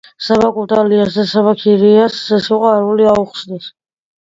საბა კუტალიას და საბა ქირიას სიყვარული აუხსნეს